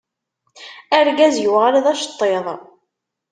Argaz yuɣal d aceṭṭiḍ.